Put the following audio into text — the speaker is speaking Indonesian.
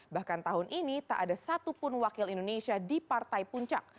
bahkan tahun ini tak ada satupun wakil indonesia di partai puncak